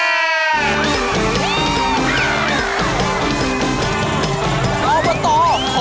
เอามาต่อขอแรง